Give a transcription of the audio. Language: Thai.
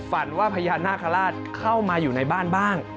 ฝันว่าพญานาคาราชเข้ามาอยู่ในบ้านบ้าง